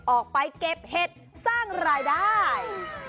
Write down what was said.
ออกไปเก็บเห็ดสร้างรายได้